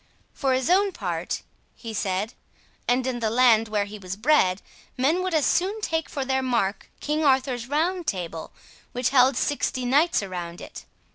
"For his own part," he said, "and in the land where he was bred, men would as soon take for their mark King Arthur's round table, which held sixty knights around it.